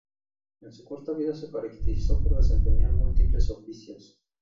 En su corta vida se caracterizó por desempeñar múltiples oficios.